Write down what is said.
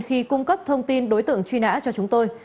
khi cung cấp thông tin đối tượng truy nã cho chúng tôi